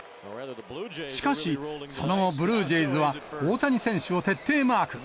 しかし、その後、ブルージェイズは大谷選手を徹底マーク。